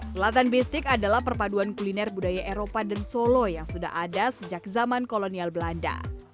selatan bistik adalah perpaduan kuliner budaya eropa dan solo yang sudah ada sejak zaman kolonial belanda